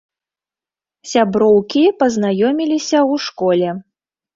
Сяброўкі пазнаёміліся ў школе.